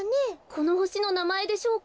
このほしのなまえでしょうか？